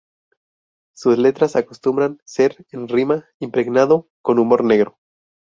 Sus letras acostumbran ser en rima, impregnado con humor negro.